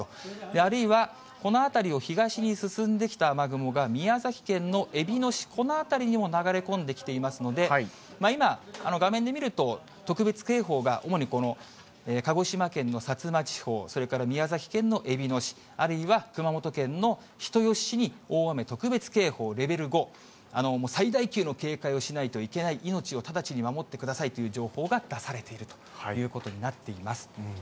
あるいは、この辺りを東に進んできた雨雲が、宮崎県のえびの市、この辺りにも流れ込んできていますので、今、画面で見ると特別警報が、主にこの鹿児島県の薩摩地方、それから宮崎県のえびの市、あるいは熊本県の人吉市に大雨特別警報レベル５、最大級の警戒をしないといけない、命を直ちに守ってくださいという情報が出されているということになっています。